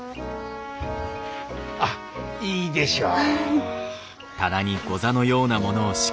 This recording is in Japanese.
あっいいでしょう。